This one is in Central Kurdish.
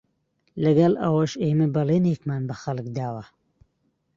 لەگەڵ ئەوەش ئێمە بەڵێنێکمان بە خەڵک داوە